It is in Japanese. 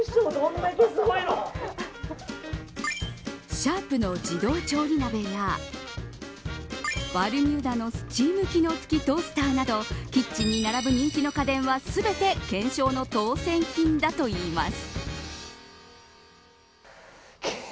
シャープの自動調理鍋やバルミューダのスチーム機能付きトースターなどキッチンに並ぶ人気の家電は、全て懸賞の当選品だといいます。